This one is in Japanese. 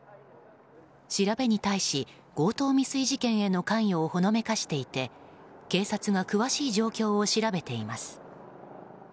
調べに対し強盗未遂事件への関与をほのめかしていて警察が詳しく状況を調べています。